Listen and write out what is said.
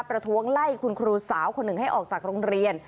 ประท้วงไล่คุณครูสาวคนหนึ่งให้ออกจากโรงเรียน